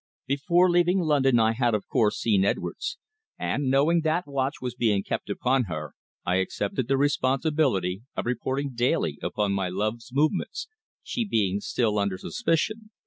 Before leaving London I had, of course, seen Edwards, and, knowing that watch was being kept upon her, I accepted the responsibility of reporting daily upon my love's movements, she being still under suspicion.